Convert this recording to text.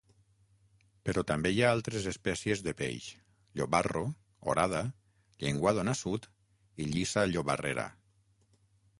Però també hi ha altres espècies de peix: llobarro, orada, llenguado nassut i llissa llobarrera.